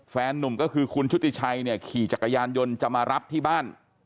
นุ่มก็คือคุณชุติชัยเนี่ยขี่จักรยานยนต์จะมารับที่บ้าน